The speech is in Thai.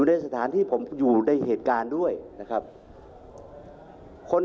แล้วไทยต้องเช็คเน้น